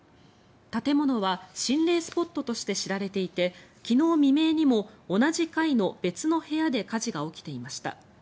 建物は心霊スポットとして知られていて昨日未明にも同じ階の別の部屋で火事が起きていました。